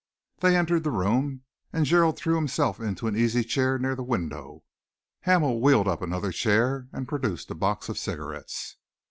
They entered the room, and Gerald threw himself into an easy chair near the window. Hamel wheeled up another chair and produced a box of cigarettes.